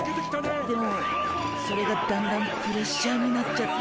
でもそれがだんだんプレッシャーになっちゃって。